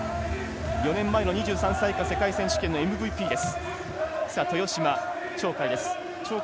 ４年前の２３歳以下世界選手権のＭＶＰです。